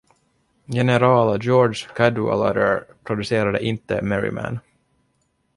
General George Cadwalader producerade inte Merryman.